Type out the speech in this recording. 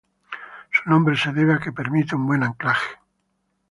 Su nombre se debe a que permite un buen anclaje.